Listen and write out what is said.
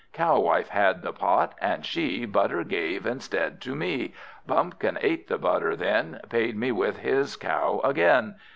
Cow wife had the pot, and she Butter gave instead to me. Bumpkin ate the butter, then Paid me with this cow again.